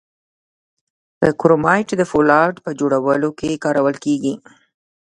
کرومایټ د فولادو په جوړولو کې کارول کیږي.